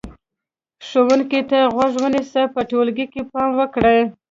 ښوونکي ته غوږ ونیسئ، په ټولګي کې پام وکړئ،